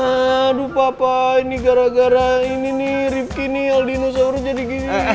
aduh papa ini gara gara ini nih rifki nih al dinosaurus jadi gini gini